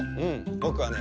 ぼくはね